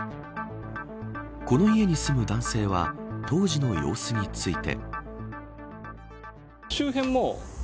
この家に住む男性は当時の様子について。